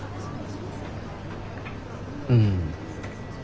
うん。